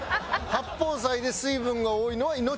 八宝菜で水分が多いのは命取り？